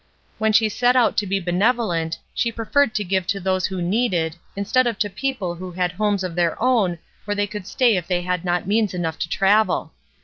When she set out to be benevolent, she preferred to give to those who needed, instead of to people who had homes of their own where they could stay if they had not means enough to travel.